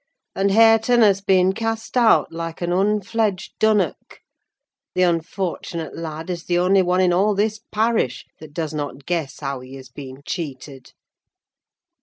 And Hareton has been cast out like an unfledged dunnock! The unfortunate lad is the only one in all this parish that does not guess how he has been cheated."